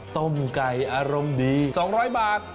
ต้มไก่อารมณ์ดี๒๐๐บาท